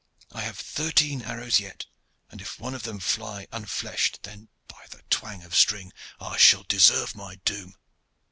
I have thirteen arrows yet, and if one of them fly unfleshed, then, by the twang of string! I shall deserve my doom.